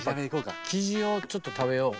キジをちょっと食べよう。